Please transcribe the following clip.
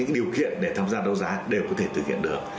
điều kiện để tham gia đấu giá đều có thể thực hiện được